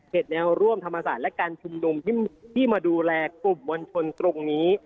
แนวร่วมธรรมศาสตร์และการชุมนุมที่มาดูแลกลุ่มมวลชนตรงนี้